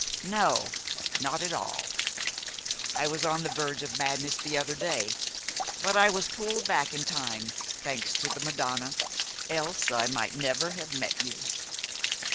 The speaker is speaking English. "No, not at all. I was on the verge of madness the other day; but I was pulled back in time, thanks to the Madonna, else I might never have met you."